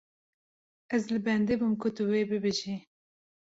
Ez li bendê bûm ku tu wê bibêjî.